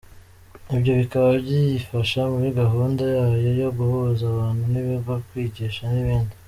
Ibyo bikaba biyifasha muri gahunda yayo yo guhuza abantu n’ibigo, kwigisha n’ibindi.